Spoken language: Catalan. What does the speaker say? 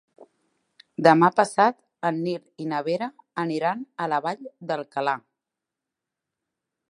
Demà passat en Nil i na Vera aniran a la Vall d'Alcalà.